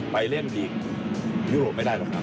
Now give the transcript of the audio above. ไปเล่นอีกยุโรปไม่ได้หรอกครับ